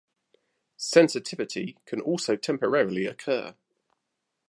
Sensitivity can also temporarily occur.